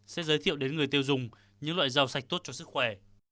sẽ giới thiệu đến người tiêu dùng những loại rau sạch tốt cho sức khỏe